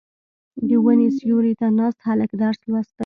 • د ونې سیوري ته ناست هلک درس لوسته.